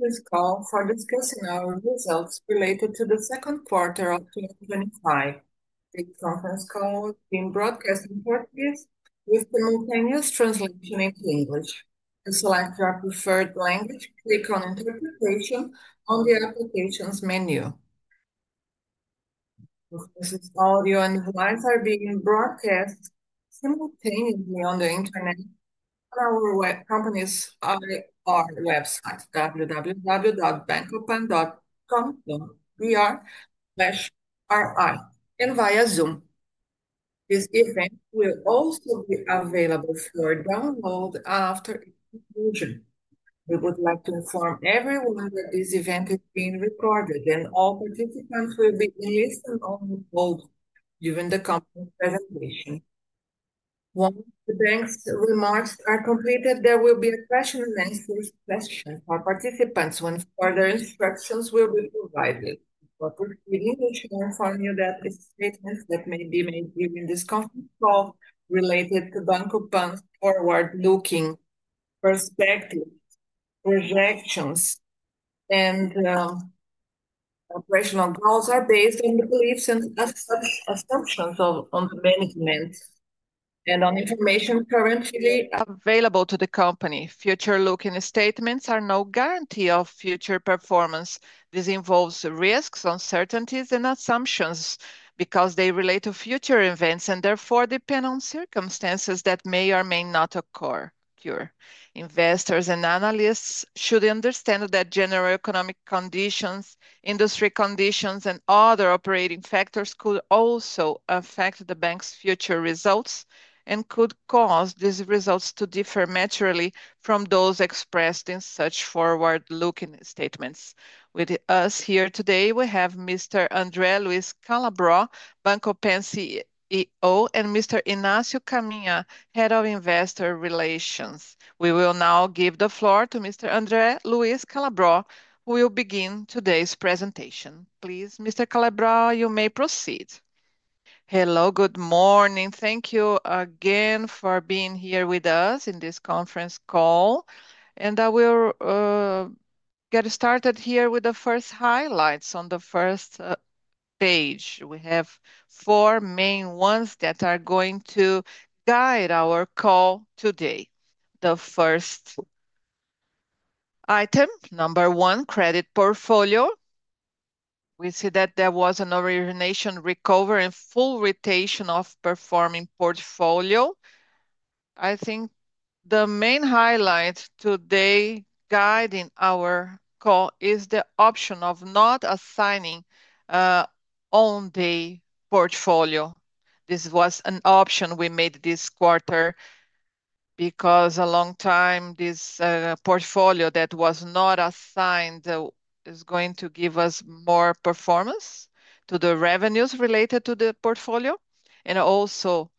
This call is for personnel results related to the second quarter of 2005. This conference call is being broadcast in Portuguese with simultaneous translation into English. To select your preferred language, click on interpretation on the application's menu. This audio and slides are being broadcast simultaneously on the internet and our website www.bancopan.com.br/ri and via Zoom. This event will also be available for download after its conclusion. We would like to inform everyone that this event is being recorded and all participants will be listed on the call given the company's presentation. Once the remarks are completed, there will be a special license session for participants when further instructions will be provided. For completing, we shall inform you that the statements that may be made during this conference call related to Banco Pan forward-looking perspective, projections, and operational goals are based on the beliefs and assumptions of management and on information currently available to the company. Future-looking statements are no guarantee of future performance. This involves risks, uncertainties, and assumptions because they relate to future events and therefore depend on circumstances that may or may not occur. Investors and analysts should understand that general economic conditions, industry conditions, and other operating factors could also affect the bank's future results and could cause these results to differ materially from those expressed in such forward-looking statements. With us here today, we have Mr. André Luiz Calabro, Banco Pan CEO, and Mr. Inácio Caminha, Head of Investor Relations. We will now give the floor to Mr. André Luiz Calabro, who will begin today's presentation. Please, Mr. Calabro, you may proceed. Hello. Good morning. Thank you again for being here with us in this conference call. I will get started here with the first highlights on the first page. We have four main ones that are going to guide our call today. The first item, number one, credit portfolio. We see that there was an origination recovery and full rotation of performing portfolio. I think the main highlight today guiding our call is the option of not assigning an on-day portfolio. This was an option we made this quarter because a long time this portfolio that was not assigned is going to give us more performance to the revenues related to the portfolio. Also,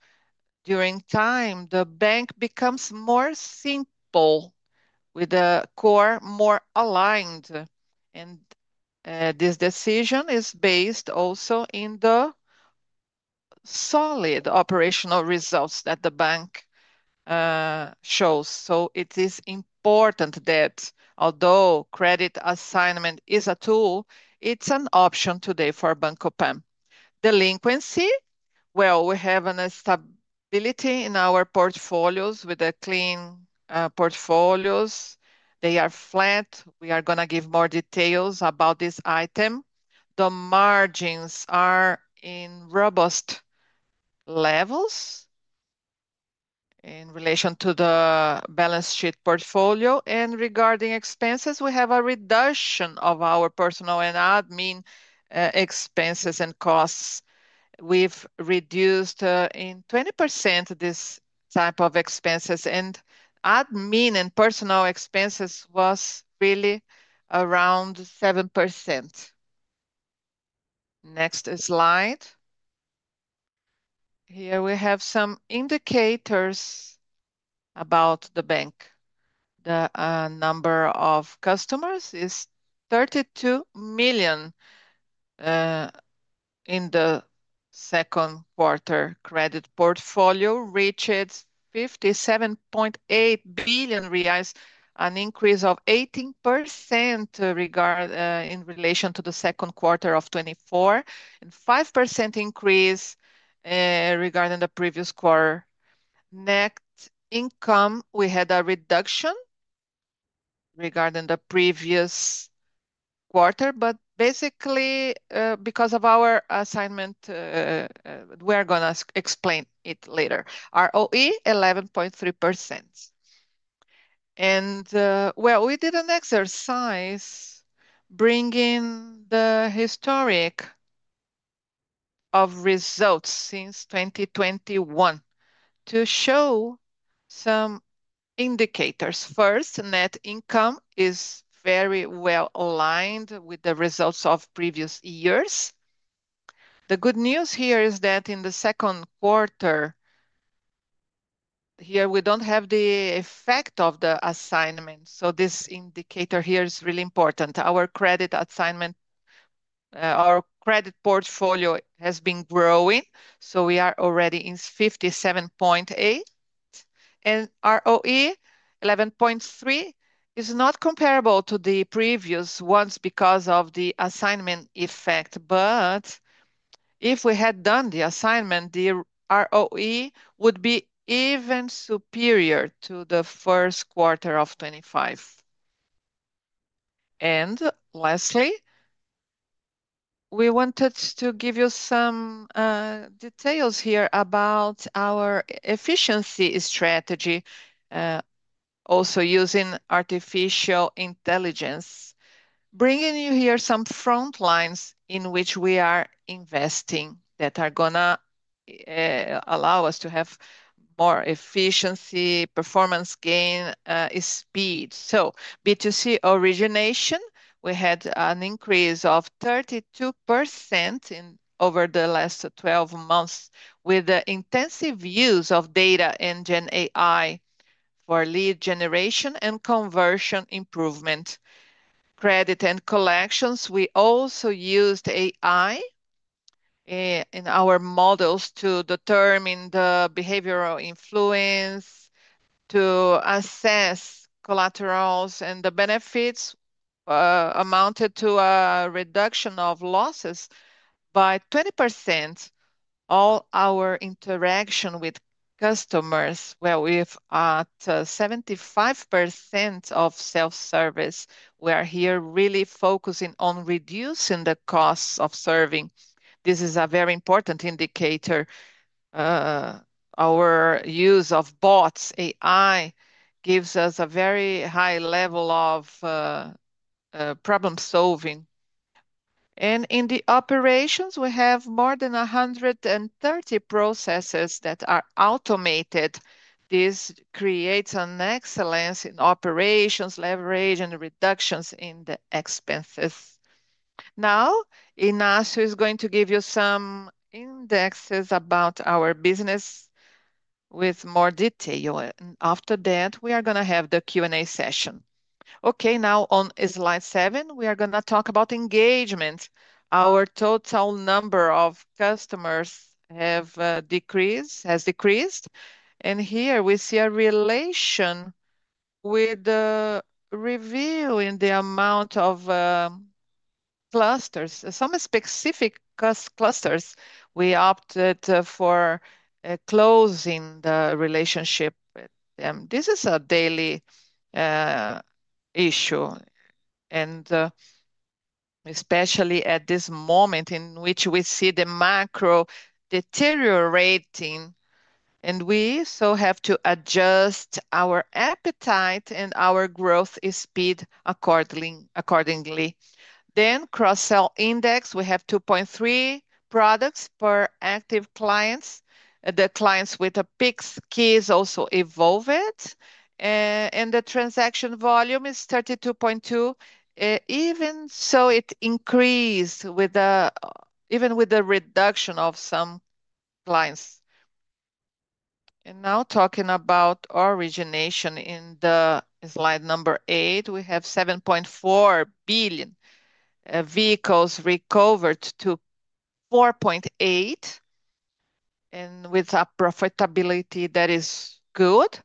during time, the bank becomes more simple with the core more aligned. This decision is based also in the solid operational results that the bank shows. It is important that although credit assignment is a tool, it's an option today for Banco Pan. Delinquency? We have an instability in our portfolios with the clean portfolios. They are flat. We are going to give more details about this item. The margins are in robust levels in relation to the balance sheet portfolio. Regarding expenses, we have a reduction of our personal and admin expenses and costs. We've reduced in 20% this type of expenses. Admin and personal expenses was really around 7%. Next slide. Here we have some indicators about the bank. The number of customers is 32 million in the second quarter. Credit portfolio reached 57.8 billion reais, an increase of 18% in relation to the second quarter of 2024, and 5% increase regarding the previous quarter. Net income, we had a reduction regarding the previous quarter, but basically, because of our assignment, we are going to explain it later. ROE, 11.3%. We did an exercise bringing the historic of results since 2021 to show some indicators. First, net income is very well aligned with the results of previous years. The good news here is that in the second quarter, here we don't have the effect of the assignment. This indicator here is really important. Our credit assignment, our credit portfolio has been growing. We are already in 57.8 billion. ROE, 11.3%, is not comparable to the previous ones because of the assignment effect. If we had done the assignment, the ROE would be even superior to the first quarter of 2025. Lastly, we wanted to give you some details here about our efficiency strategy, also using artificial intelligence, bringing you here some front lines in which we are investing that are going to allow us to have more efficiency, performance gain, and speed. B2C origination had an increase of 32% over the last 12 months with the intensive use of data and GenAI for lead generation and conversion improvement. Credit and collections also used AI in our models to determine the behavioral influence, to assess collaterals, and the benefits amounted to a reduction of losses by 20%. All our interaction with customers, we've at 75% of self-service. We are here really focusing on reducing the costs of serving. This is a very important indicator. Our use of bots, AI, gives us a very high level of problem-solving. In the operations, we have more than 130 processes that are automated. This creates an excellence in operations, leverage, and reductions in the expenses. Now, Inácio is going to give you some indexes about our business with more detail. After that, we are going to have the Q&A session. Now, on slide seven, we are going to talk about engagement. Our total number of customers has decreased. Here we see a relation with the review in the amount of clusters, some specific clusters. We opted for closing the relationship with them. This is a daily issue, especially at this moment in which we see the macro deteriorating. We have to adjust our appetite and our growth speed accordingly. The cross-sell index, we have 2.3 products per active clients. The clients with the Pix keys also evolved. The transaction volume is 32.2. Even so, it increased even with the reduction of some clients. Now talking about origination in slide number eight, we have 7.4 billion vehicles recovered to 4.8 billion, and with a profitability that is good.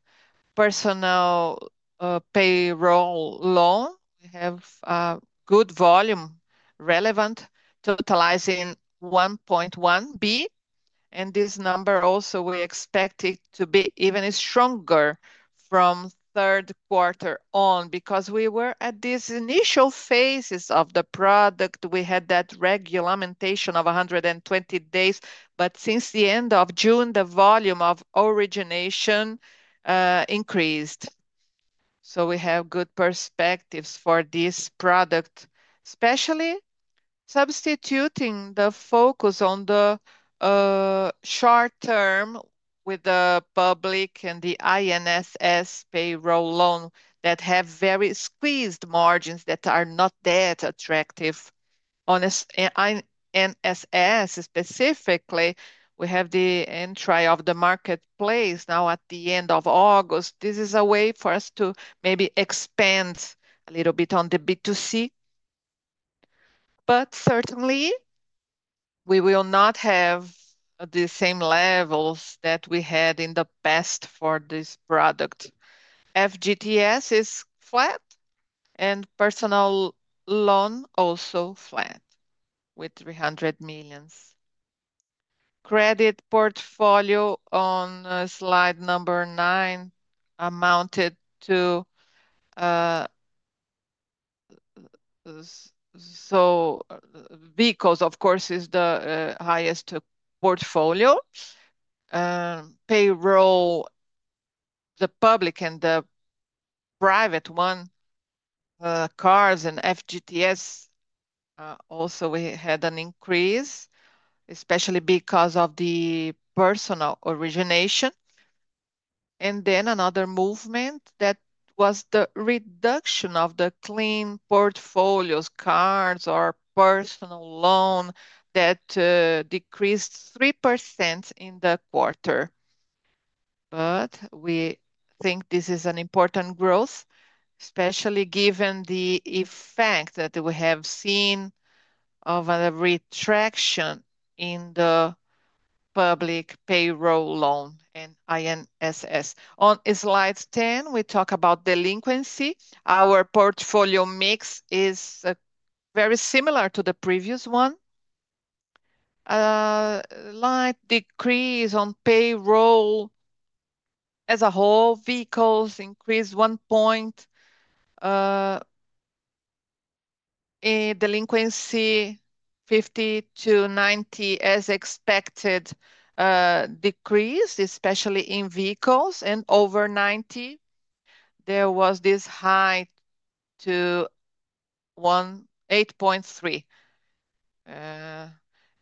Personal payroll loan, we have a good volume, relevant, totalizing 1.1 billion. This number also we expect to be even stronger from third quarter on because we were at these initial phases of the product. We had that regulation of 120 days. Since the end of June, the volume of origination increased. We have good perspectives for this product, especially substituting the focus on the short term with the public and the INSS payroll loan that have very squeezed margins that are not that attractive. On INSS specifically, we have the entry of the marketplace now at the end of August. This is a way for us to maybe expand a little bit on the B2C. Certainly, we will not have the same levels that we had in the past for this product. FGTS-backed products are flat and personal loan also flat with 300 million. Credit portfolio on slide number nine amounted to, so vehicles, of course, is the highest portfolio. Payroll, the public and the private one, cars and FGTS-backed products, also we had an increase, especially because of the personal origination. Another movement was the reduction of the clean portfolios, cards, or personal loan that decreased 3% in the quarter. We think this is an important growth, especially given the effect that we have seen of a retraction in the public payroll loan and INSS. On slide 10, we talk about delinquency. Our portfolio mix is very similar to the previous one. A slight decrease on payroll as a whole, vehicles increased 1%. Delinquency, 50-90 as expected, decreased, especially in vehicles. Over 90, there was this high to 8.3%.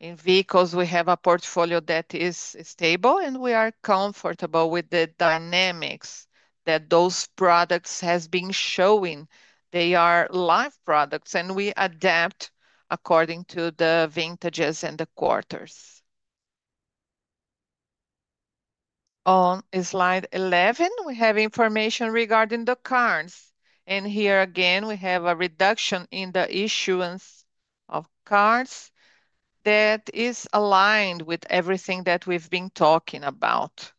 In vehicles, we have a portfolio that is stable, and we are comfortable with the dynamics that those products have been showing. They are live products, and we adapt according to the vintages and the quarters. On slide 11, we have information regarding the cards. Here again, we have a reduction in the issuance of cards that is aligned with everything that we've been talking about.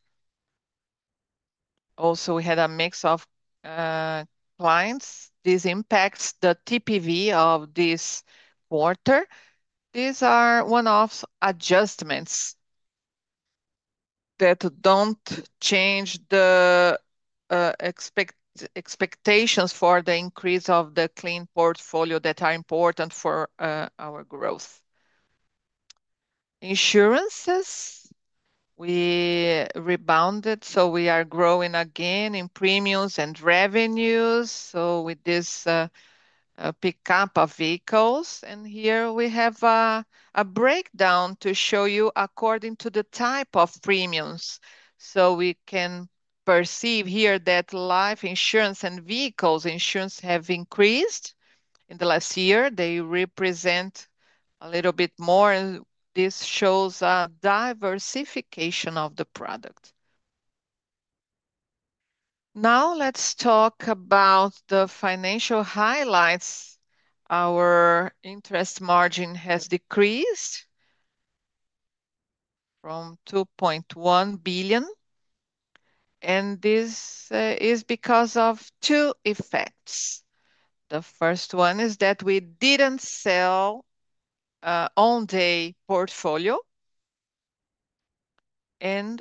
We had a mix of clients. This impacts the TPV of this quarter. These are one-off adjustments that don't change the expectations for the increase of the clean portfolio that are important for our growth. Insurances, we rebounded. We are growing again in premiums and revenues. With this pickup of vehicles, we have a breakdown to show you according to the type of premiums. We can perceive here that life insurance and vehicle insurance have increased in the last year. They represent a little bit more, and this shows a diversification of the product. Now, let's talk about the financial highlights. Our interest margin has decreased from 2.1 billion. This is because of two effects. The first one is that we didn't sell an all-day portfolio.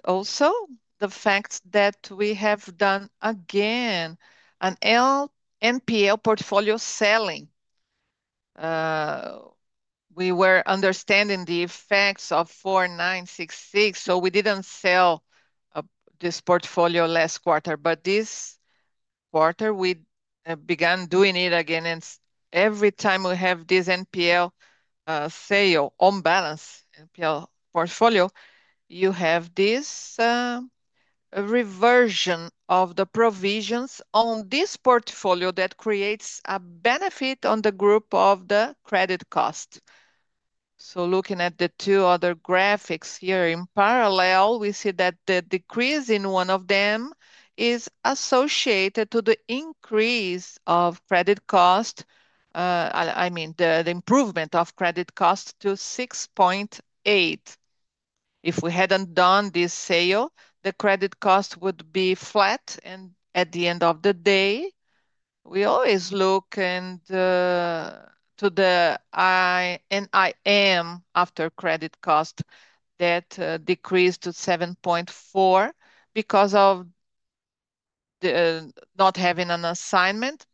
Also, the fact that we have done again an NPL portfolio selling. We were understanding the effects of 4.966. We didn't sell this portfolio last quarter. This quarter, we began doing it again. Every time we have this NPL sale on balance, NPL portfolio, you have this reversion of the provisions on this portfolio that creates a benefit on the group of the credit cost. Looking at the two other graphics here in parallel, we see that the decrease in one of them is associated to the increase of credit cost. I mean, the improvement of credit cost to 6.8%. If we hadn't done this sale, the credit cost would be flat. At the end of the day, we always look to the NIM after credit cost that decreased to 7.4% because of not having an assignment,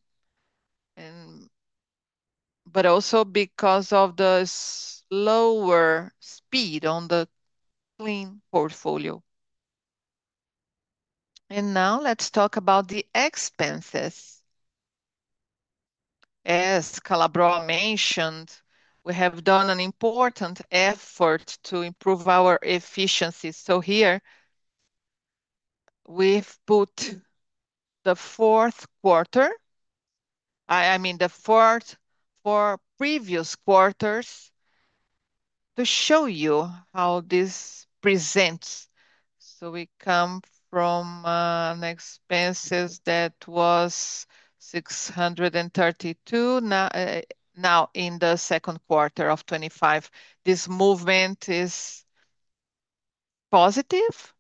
but also because of the slower speed on the clean portfolio. Now, let's talk about the expenses. As Calabro mentioned, we have done an important effort to improve our efficiency. Here, we've put the fourth quarter, I mean, the four previous quarters to show you how this presents. We come from expenses that were 632 million, now in the second quarter of 2025. This movement is positive.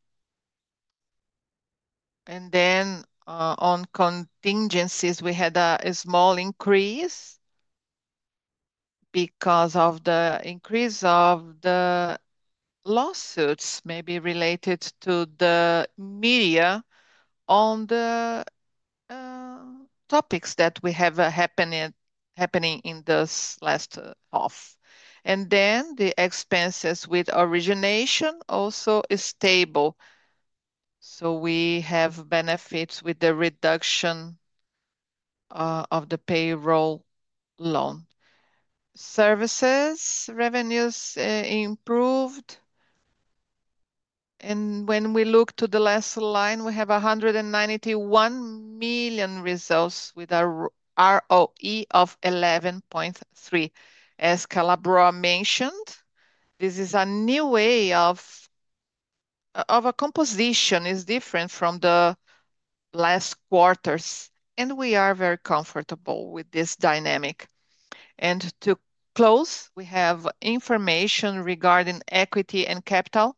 On contingencies, we had a small increase because of the increase of the lawsuits, maybe related to the media on the topics that we have happening in this last half. The expenses with origination also are stable. We have benefits with the reduction of the payroll loan. Services revenues improved. When we look to the last line, we have 191 million results with a ROE of 11.3%. As Calabro mentioned, this is a new way of a composition. It's different from the last quarters. We are very comfortable with this dynamic. To close, we have information regarding equity and capital.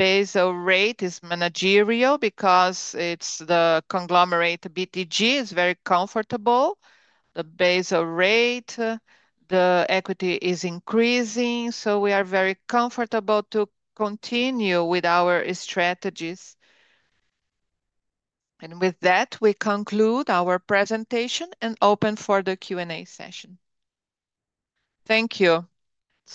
Base of rate is managerial because it's the conglomerate BTG. It's very comfortable. The base of rate, the equity is increasing. We are very comfortable to continue with our strategies. With that, we conclude our presentation and open for the Q&A session. Thank you.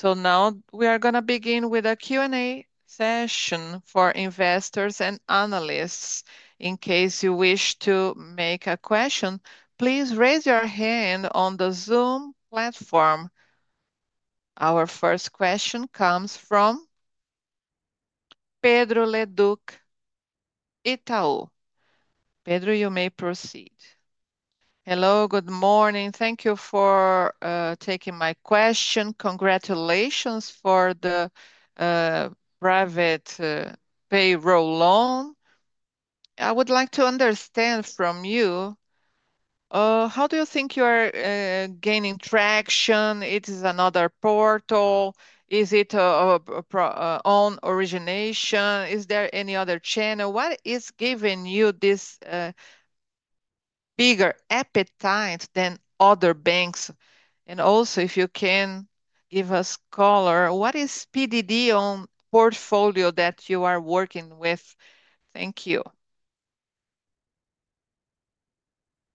Now, we are going to begin with a Q&A session for investors and analysts. In case you wish to make a question, please raise your hand on the Zoom platform. Our first question comes from Pedro Leduc, Itaú. Pedro, you may proceed. Hello. Good morning. Thank you for taking my question. Congratulations for the private payroll loan. I would like to understand from you, how do you think you are gaining traction? It is another portal. Is it on origination? Is there any other channel? What is giving you this bigger appetite than other banks? Also, if you can give a scholar, what is PDD on portfolio that you are working with? Thank you.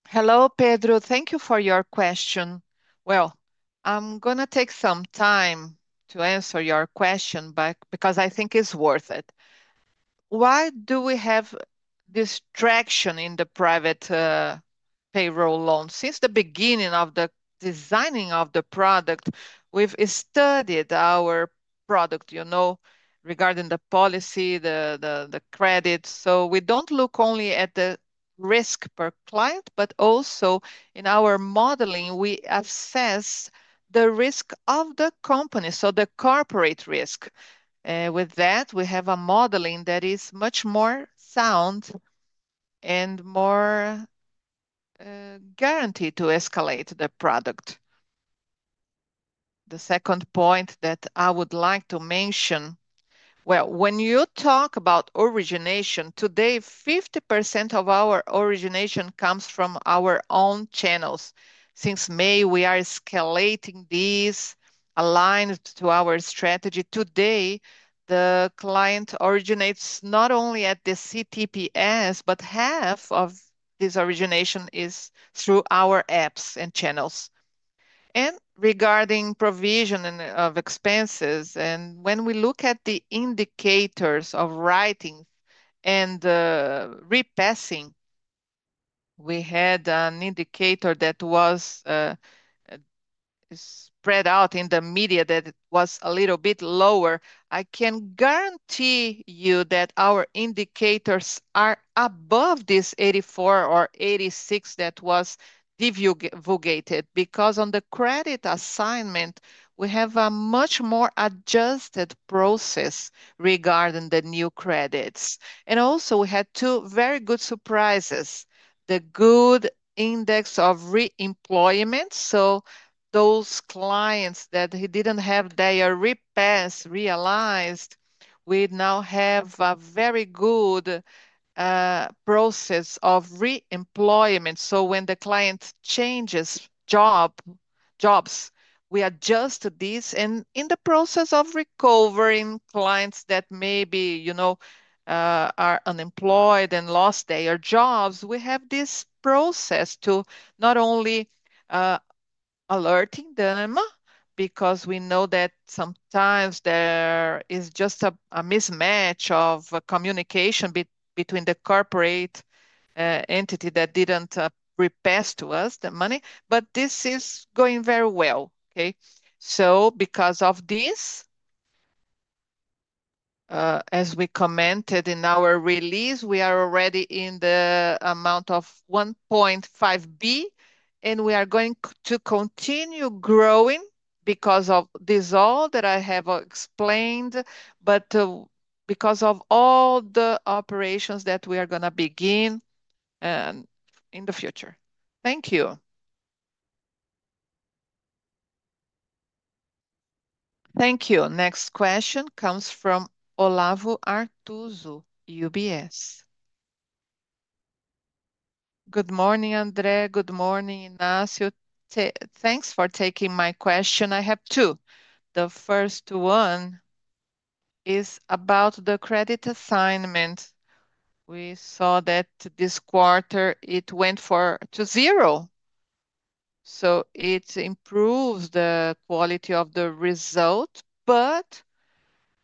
Hello, Pedro. Thank you for your question. I'm going to take some time to answer your question because I think it's worth it. Why do we have this traction in the private payroll loan? Since the beginning of the designing of the product, we've studied our product regarding the policy, the credit. We don't look only at the risk per client, but also in our modeling, we assess the risk of the company, so the corporate risk. With that, we have a modeling that is much more sound and more guaranteed to escalate the product. The second point that I would like to mention, when you talk about origination, today, 50% of our origination comes from our own channels. Since May, we are escalating these aligned to our strategy. Today, the client originates not only at the CTPS, but half of this origination is through our apps and channels. Regarding provision of expenses, and when we look at the indicators of writing and repassing, we had an indicator that was spread out in the media that was a little bit lower. I can guarantee you that our indicators are above this 84% or 86% that was divulgated because on the credit assignment, we have a much more adjusted process regarding the new credits. We had two very good surprises, the good index of re-employment. Those clients that didn't have their repass realized, we now have a very good process of re-employment. When the client changes jobs, we adjust this. In the process of recovering clients that maybe are unemployed and lost their jobs, we have this process to not only alerting them because we know that sometimes there is just a mismatch of communication between the corporate entity that didn't repass to us the money, but this is going very well. Because of this, as we commented in our release, we are already in the amount of 1.5 billion, and we are going to continue growing because of this all that I have explained, but because of all the operations that we are going to begin in the future. Thank you. Thank you. Next question comes from Olavo Arthuzo, UBS. Good morning, André. Good morning, Inácio. Thanks for taking my question. I have two. The first one is about the credit assignment. We saw that this quarter it went to zero. It improves the quality of the result, but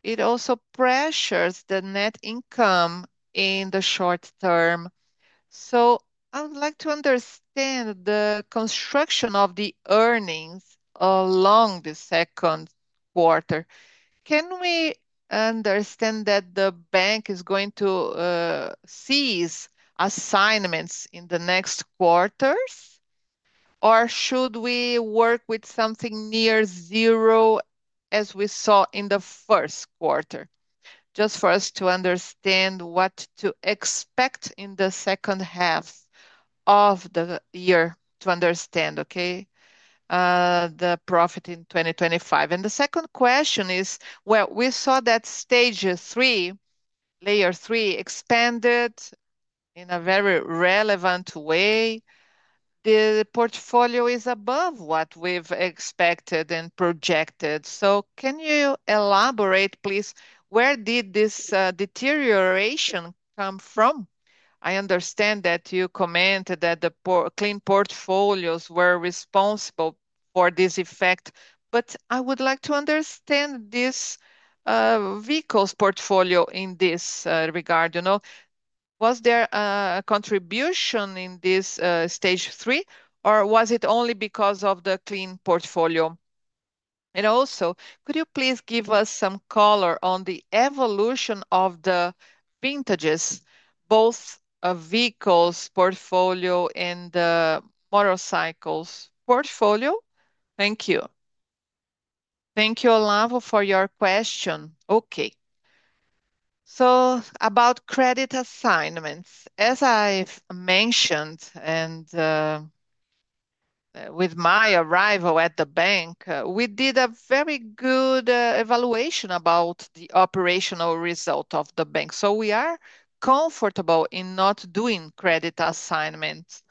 it also pressures the net income in the short term. I would like to understand the construction of the earnings along the second quarter. Can we understand that the bank is going to seize assignments in the next quarters, or should we work with something near zero as we saw in the first quarter? Just for us to understand what to expect in the second half of the year to understand, okay, the profit in 2025. The second question is, we saw that stage three, layer three, expanded in a very relevant way. The portfolio is above what we've expected and projected. Can you elaborate, please, where did this deterioration come from? I understand that you commented that the clean portfolios were responsible for this effect, but I would like to understand this vehicles portfolio in this regard. Was there a contribution in this stage three, or was it only because of the clean portfolio? Also, could you please give us some color on the evolution of the vintages, both a vehicles portfolio and the motorcycles portfolio? Thank you. Thank you, Olavo, for your question. About credit assignments, as I've mentioned, and with my arrival at the bank, we did a very good evaluation about the operational result of the bank. We are comfortable in not doing credit assignment.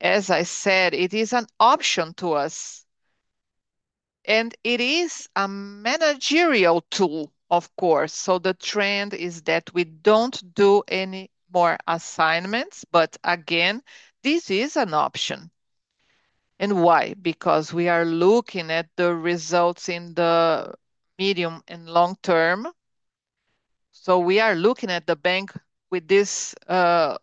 As I said, it is an option to us. It is a managerial tool, of course. The trend is that we don't do any more assignments, but again, this is an option. Why? Because we are looking at the results in the medium and long term. We are looking at the bank with the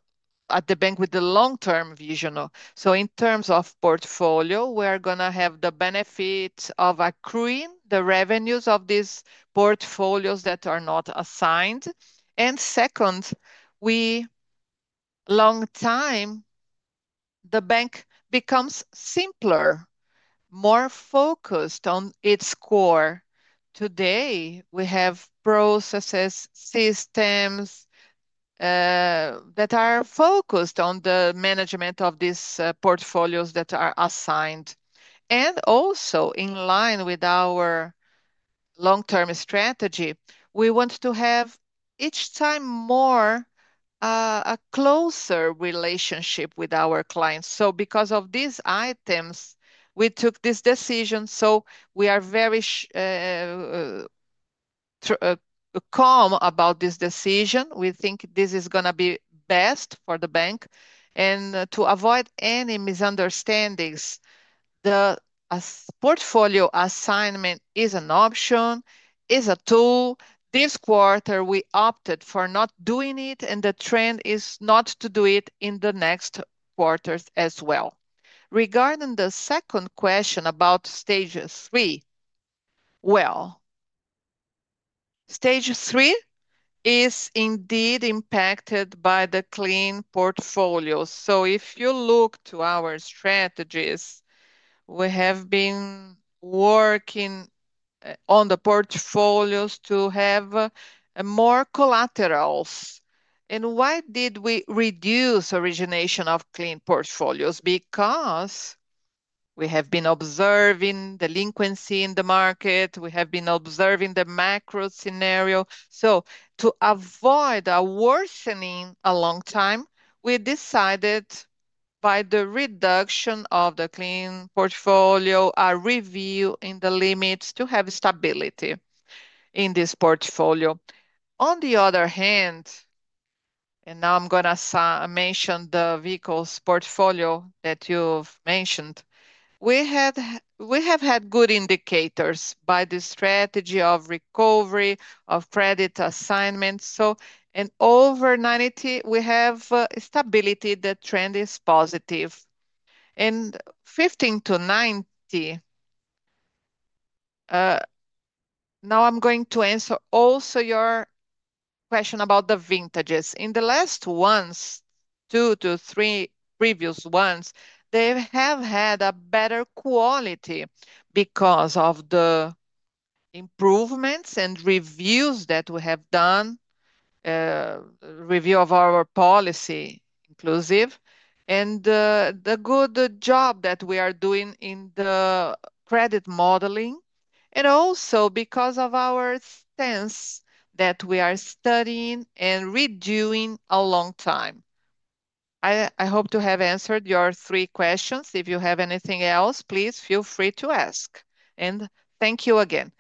long-term vision. In terms of portfolio, we are going to have the benefit of accruing the revenues of these portfolios that are not assigned. In the long time, the bank becomes simpler, more focused on its core. Today, we have processes and systems that are focused on the management of these portfolios that are assigned. In line with our long-term strategy, we want to have each time more a closer relationship with our clients. Because of these items, we took this decision. We are very calm about this decision. We think this is going to be best for the bank. To avoid any misunderstandings, the portfolio assignment is an option, is a tool. This quarter, we opted for not doing it, and the trend is not to do it in the next quarters as well. Regarding the second question about stage three, stage three is indeed impacted by the clean portfolio. If you look to our strategies, we have been working on the portfolios to have more collaterals. Why did we reduce origination of clean portfolios? We have been observing delinquency in the market. We have been observing the macro scenario. To avoid a worsening a long time, we decided by the reduction of the clean portfolio, a review in the limits to have stability in this portfolio. On the other hand, now I'm going to mention the vehicles portfolio that you've mentioned. We have had good indicators by the strategy of recovery of credit assignment. In over 90, we have stability. The trend is positive. In 15-90, now I'm going to answer also your question about the vintages. In the last ones, two to three previous ones, they have had a better quality because of the improvements and reviews that we have done, review of our policy inclusive, and the good job that we are doing in the credit modeling, and also because of our sense that we are studying and redoing a long time. I hope to have answered your three questions. If you have anything else, please feel free to ask. Thank you again.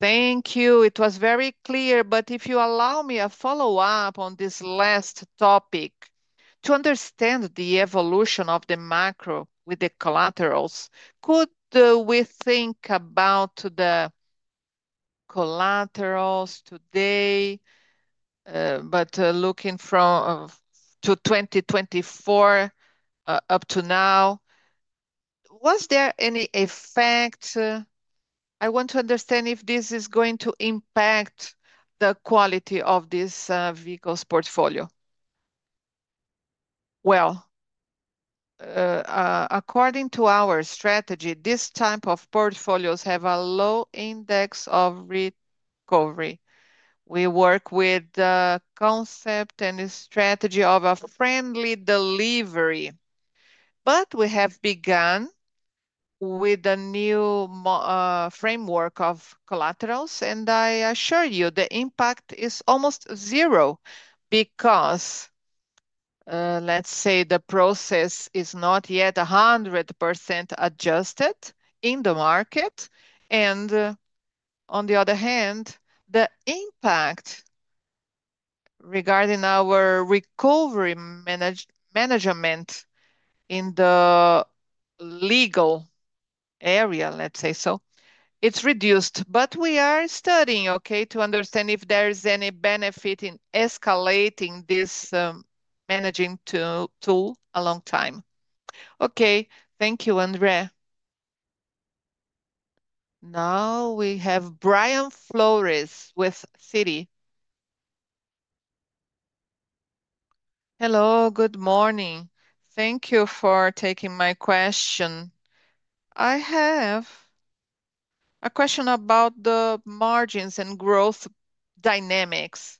Thank you. It was very clear, if you allow me a follow-up on this last topic to understand the evolution of the macro with the collaterals, could we think about the collaterals today, but looking from 2024 up to now, was there any effect? I want to understand if this is going to impact the quality of this vehicle's portfolio. According to our strategy, this type of portfolios have a low index of recovery. We work with the concept and strategy of a friendly delivery. We have begun with a new framework of collaterals. I assure you, the impact is almost zero because, let's say, the process is not yet 100% adjusted in the market. On the other hand, the impact regarding our recovery management in the legal area, let's say so, it's reduced. We are studying, okay, to understand if there is any benefit in escalating this managing tool a long time. Thank you, André. Now, we have Brian Flores with Citi. Hello. Good morning. Thank you for taking my question. I have a question about the margins and growth dynamics.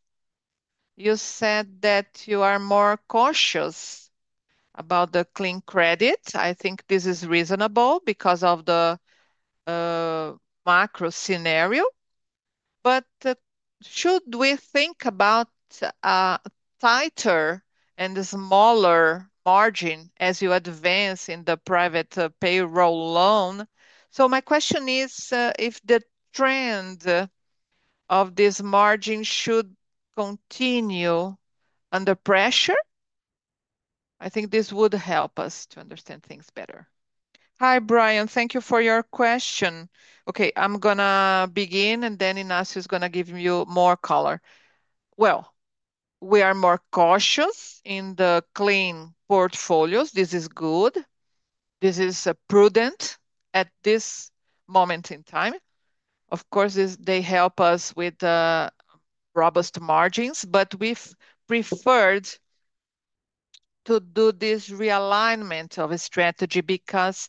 You said that you are more cautious about the clean credit. I think this is reasonable because of the macro scenario. Should we think about a tighter and smaller margin as you advance in the private payroll loan? My question is if the trend of this margin should continue under pressure. I think this would help us to understand things better. Hi, Brian. Thank you for your question. Okay. I'm going to begin, and then Inácio is going to give you more color. We are more cautious in the clean portfolios. This is good. This is prudent at this moment in time. Of course, they help us with the robust margins, but we've preferred to do this realignment of a strategy because,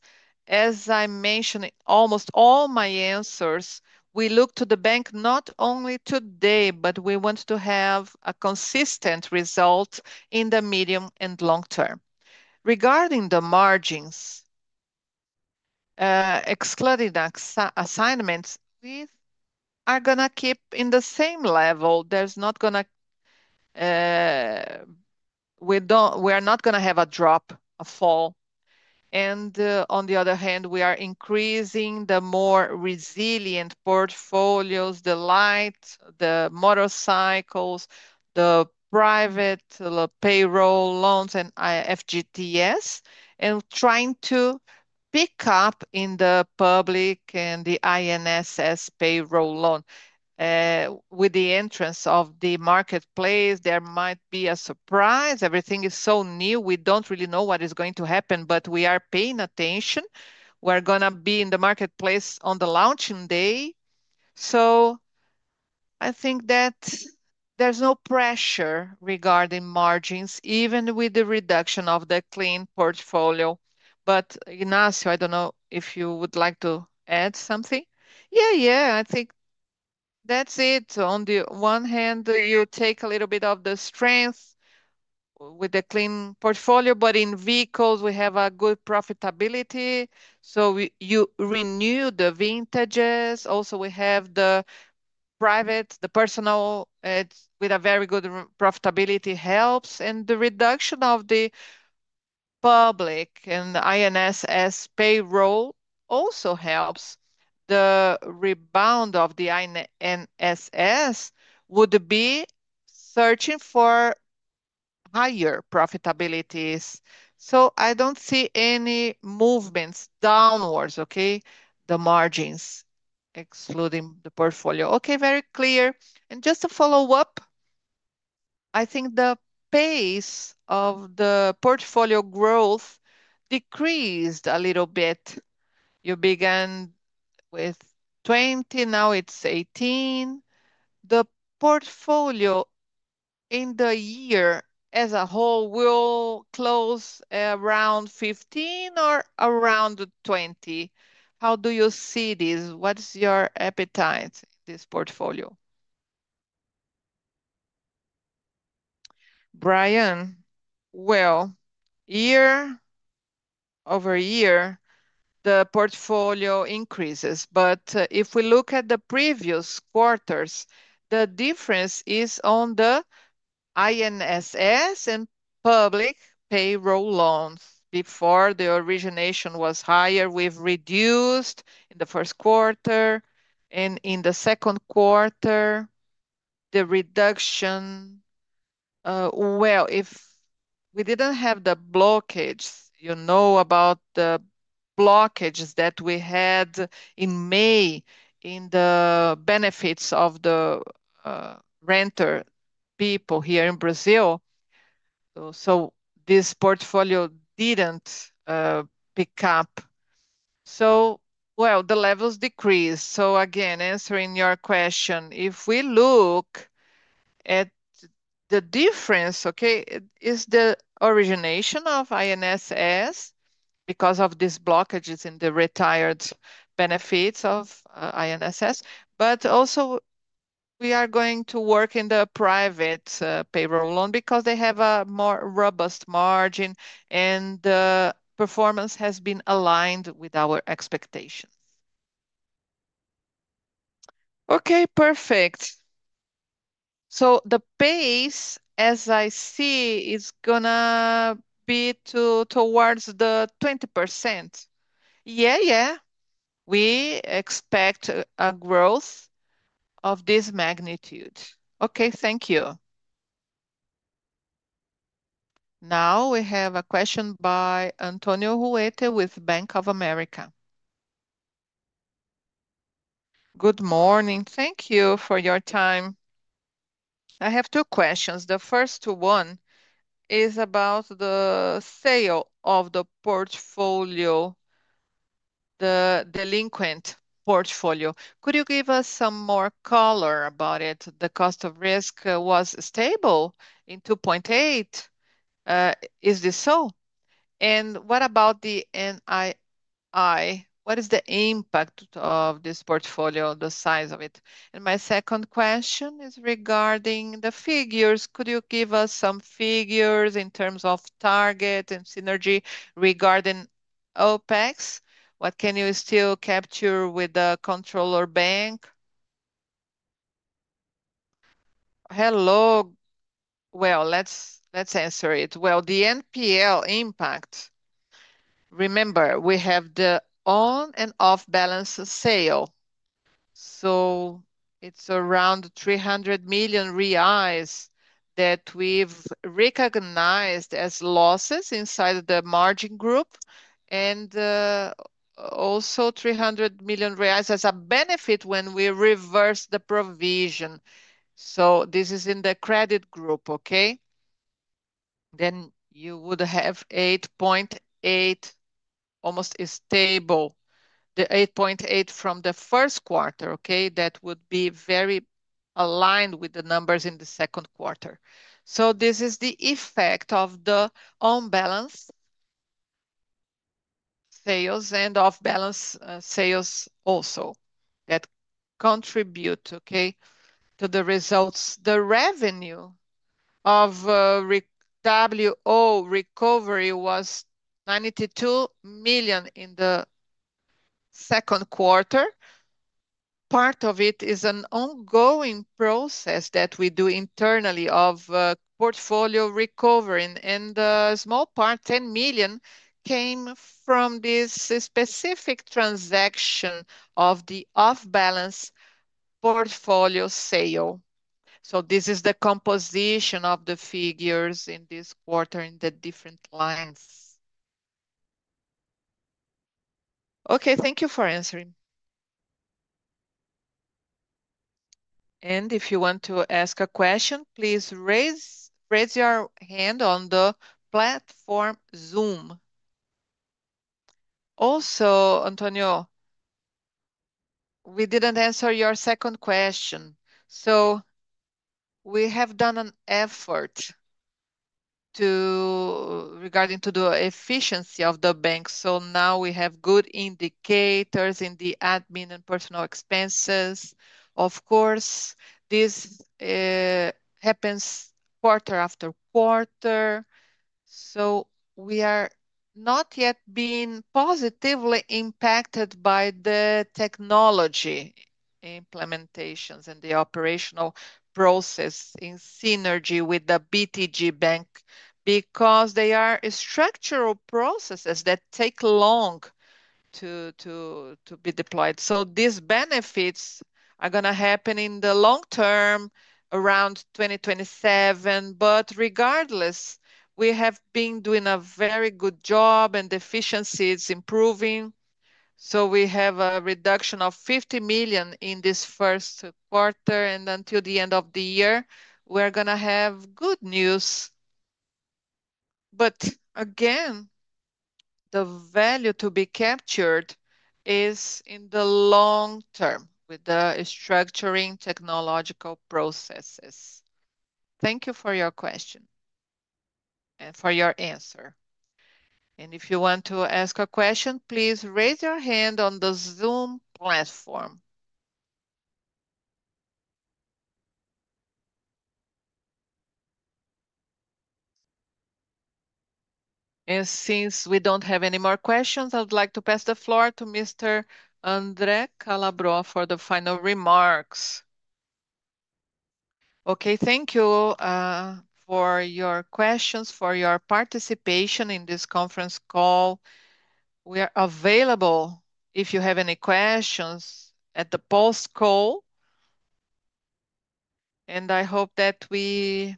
as I mentioned in almost all my answers, we look to the bank not only today, but we want to have a consistent result in the medium and long term. Regarding the margins, excluding the assignments, we are going to keep in the same level. There is not going to, we are not going to have a drop, a fall. On the other hand, we are increasing the more resilient portfolios, the light, the motorcycles, the private payroll loans, and FGTS, and trying to pick up in the public and the INSS payroll loan. With the entrance of the marketplace, there might be a surprise. Everything is so new. We don't really know what is going to happen, but we are paying attention. We're going to be in the marketplace on the launching day. I think that there's no pressure regarding margins, even with the reduction of the clean portfolio. Inácio, I don't know if you would like to add something. Yeah, yeah. I think that's it. On the one hand, you take a little bit of the strength with the clean portfolio, but in vehicles, we have a good profitability. You renew the vintages. Also, we have the private, the personal, with a very good profitability helps. The reduction of the public and the INSS payroll also helps. The rebound of the INSS would be searching for higher profitabilities. I don't see any movements downwards, the margins, excluding the portfolio. Okay. Very clear. Just to follow up, I think the pace of the portfolio growth decreased a little bit. You began with 20%. Now it's 18%. The portfolio in the year as a whole will close around 15% or around 20%. How do you see this? What's your appetite in this portfolio? Brian? Year-over-year, the portfolio increases. If we look at the previous quarters, the difference is on the INSS and public payroll loans. Before, the origination was higher. We've reduced in the first quarter. In the second quarter, the reduction, if we didn't have the blockage, you know about the blockages that we had in May in the benefits of the renter people here in Brazil. This portfolio didn't pick up. The levels decrease. Again, answering your question, if we look at the difference, it is the origination of INSS because of these blockages in the retired benefits of INSS, but also, we are going to work in the private payroll loan because they have a more robust margin and the performance has been aligned with our expectation. Perfect. The pace, as I see, is going to be towards the 20%. Yeah, yeah. We expect a growth of this magnitude. Thank you. Now, we have a question by Antonio Huerta with Bank of America. Good morning. Thank you for your time. I have two questions. The first one is about the sale of the portfolio, the delinquent portfolio. Could you give us some more color about it? The cost of risk was stable in 2.8%. Is this so? What about the NII? What is the impact of this portfolio, the size of it? My second question is regarding the figures. Could you give us some figures in terms of target and synergy regarding OpEx? What can you still capture with the controller bank? Hello. Let's answer it. The NPL impact, remember, we have the on- and off-balance sale. It is around 300 million reais that we've recognized as losses inside the margin group and also 300 million reais as a benefit when we reverse the provision. This is in the credit group. You would have 8.8%, almost stable, the 8.8% from the first quarter. That would be very aligned with the numbers in the second quarter. This is the effect of the on-balance sales and off-balance sales also that contribute to the results. The revenue of WO recovery was 92 million in the second quarter. Part of it is an ongoing process that we do internally of portfolio recovering. A small part, 10 million, came from this specific transaction of the off-balance portfolio sale. This is the composition of the figures in this quarter in the different lines. Thank you for answering. If you want to ask a question, please raise your hand on the platform Zoom. Also, Antonio, we didn't answer your second question. We have done an effort regarding the efficiency of the bank. Now we have good indicators in the admin and personal expenses. Of course, this happens quarter after quarter. We are not yet being positively impacted by the technology implementations and the operational process in synergy with the BTG bank because they are structural processes that take long to be deployed. These benefits are going to happen in the long term, around 2027. Regardless, we have been doing a very good job, and the efficiency is improving. We have a reduction of 50 million in this first quarter. Until the end of the year, we're going to have good news. The value to be captured is in the long term with the structuring technological processes. Thank you for your question and for your answer. If you want to ask a question, please raise your hand on the Zoom platform. Since we don't have any more questions, I would like to pass the floor to Mr. André Calabro for the final remarks. Thank you for your questions, for your participation in this conference call. We are available if you have any questions at the post-call. I hope that we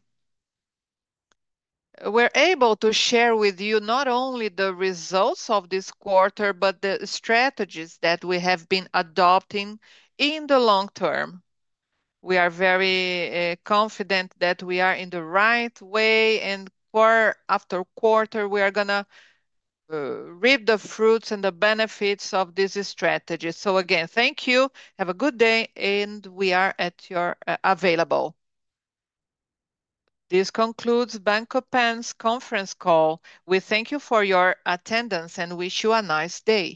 were able to share with you not only the results of this quarter, but the strategies that we have been adopting in the long term. We are very confident that we are in the right way. Quarter after quarter, we are going to reap the fruits and the benefits of this strategy. Again, thank you. Have a good day, and we are at your available. This concludes Banco Pan's conference call. We thank you for your attendance and wish you a nice day.